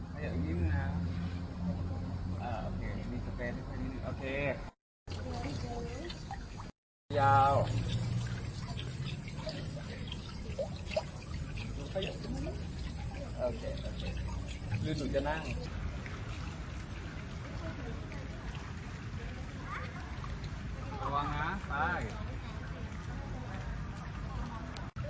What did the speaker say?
อยากยิ้มนะอ่ามีสเปรดให้ค่อนข้างนิดหนึ่งโอเค